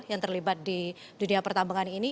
yang terlibat di dunia pertambangan ini